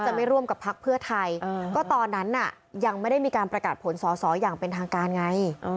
ที่จะให้การประกาศผลสออย่างเป็นทางการไง